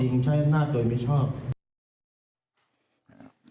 ผู้บังคับการตำรวจบูธรจังหวัดเพชรบูนบอกว่าจากการสอบสวนนะครับ